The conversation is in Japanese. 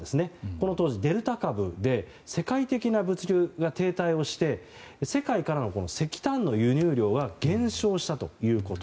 この当時、デルタ株で世界的な物流が停滞をして世界からの石炭の輸入量が減少したということ。